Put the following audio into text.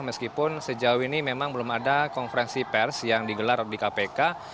meskipun sejauh ini memang belum ada konferensi pers yang digelar di kpk